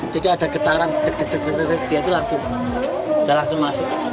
jadi ada getaran dia tuh langsung masuk